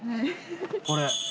これ。